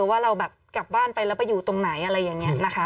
ว่าเราแบบกลับบ้านไปแล้วไปอยู่ตรงไหนอะไรอย่างนี้นะคะ